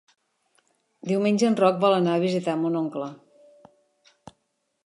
Diumenge en Roc vol anar a visitar mon oncle.